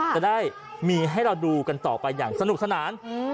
จะได้มีให้เราดูกันต่อไปอย่างสนุกสนาน